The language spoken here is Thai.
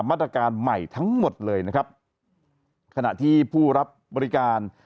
มาตรการใหม่ทั้งหมดเลยนะครับขณะที่ผู้รับบริการ